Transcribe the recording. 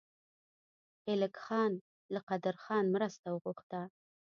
ایلک خان له قدرخان مرسته وغوښته.